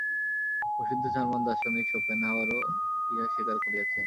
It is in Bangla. প্রসিদ্ধ জার্মান দার্শনিক শোপেনহাওয়ারও ইহা স্বীকার করিয়াছেন।